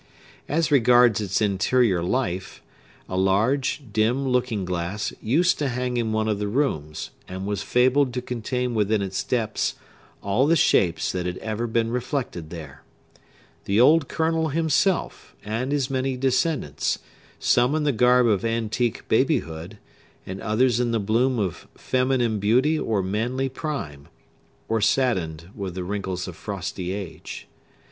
As regards its interior life, a large, dim looking glass used to hang in one of the rooms, and was fabled to contain within its depths all the shapes that had ever been reflected there,—the old Colonel himself, and his many descendants, some in the garb of antique babyhood, and others in the bloom of feminine beauty or manly prime, or saddened with the wrinkles of frosty age.